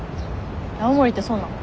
青森ってそうなん？